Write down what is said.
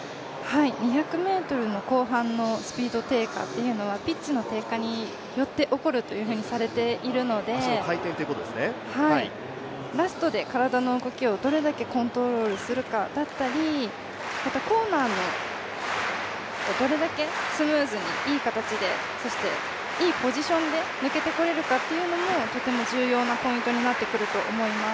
２００ｍの後半のスピード低下というのは、ピッチの低下によって起こるとされているのでラストで体の動きをどれだけコントロールするかだったり、またコーナーをどれだけスムーズにいい形でそしていいポジションで抜けてこれるかというのも、とても重要なポイントになってくると思います。